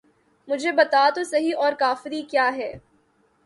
مجھے بتا تو سہی اور کافری کیا ہے!